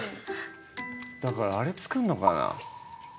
だからあれ作るのかな。